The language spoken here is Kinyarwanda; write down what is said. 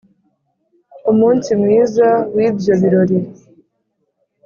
Umunsi mwiza w'ibyo birori